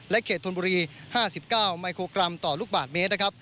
และเขดถนบุรี๕๙บาทเมตร